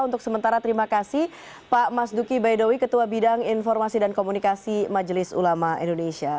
untuk sementara terima kasih pak mas duki baidowi ketua bidang informasi dan komunikasi majelis ulama indonesia